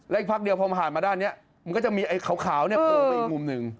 อีกพักเดียวพอผ่านมาด้านนี้มันก็จะมีไอ้ขาวเนี่ยโผล่ไปอีกมุมหนึ่ง